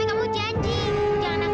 bintang kau mau keluar dong